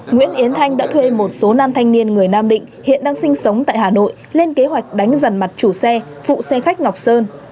nguyễn yến thanh đã thuê một số nam thanh niên người nam định hiện đang sinh sống tại hà nội lên kế hoạch đánh dần mặt chủ xe phụ xe khách ngọc sơn